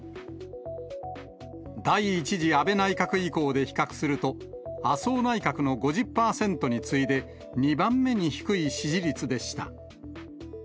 第１次安倍内閣以降で比較すると、麻生内閣の５０％に次いで、２番目に低い支持率でした。